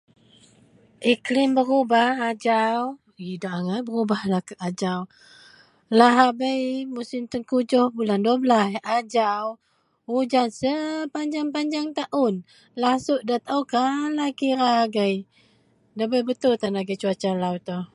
Iklim berubah ajau, idak angai berubah ajau, lahabei musim tengkujuh bulan 12, ajau ujan sepanjang-panjang taun. Lasuk nda taou kalai kira agei, Ndabei betul tan agei cuaca lau ito